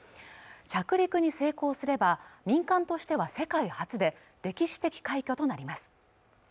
着陸に成功すれば民間としては世界初で歴史的快挙となります